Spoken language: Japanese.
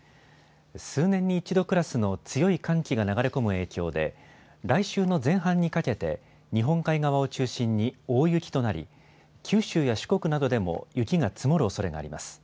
数年に一度クラスの強い寒気が流れ込む影響で、来週の前半にかけて、日本海側を中心に大雪となり、九州や四国などでも雪が積もるおそれがあります。